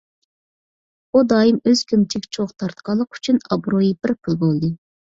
ئۇ دائىم ئۆز كۆمىچىگە چوغ تارتقانلىقى ئۈچۈن، ئابرۇيى بىر پۇل بولدى.